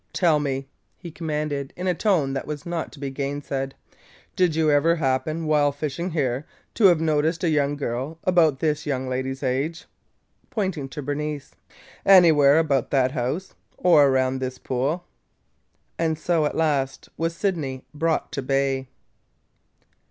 "Tell me," he commanded, in a tone that was not to be gainsaid, "did you ever happen, while fishing here, to have noticed a young girl, about this young lady's age," pointing to Bernice, "anywhere about that house or – or around this pool?" And so, at last, was Sydney brought to bay!